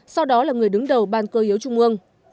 sau đó là người đứng đầu ban cơ yếu trung ương